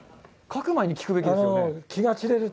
描く前に聞くべきですよね。